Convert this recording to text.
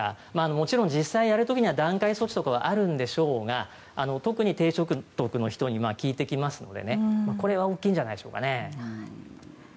もちろん実際やる時には段階措置とかはあるんでしょうが特に低所得の人に効いてきますので大きいんじゃないでしょうか。